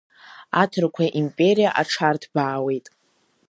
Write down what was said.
Аҭырқәа империа аҽарҭбаауеит.